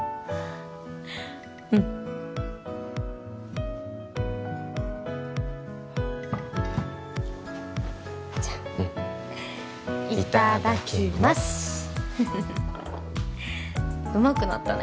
うんじゃあうんいただきますうまくなったね